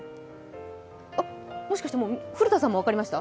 もしかして古田さんも分かりました？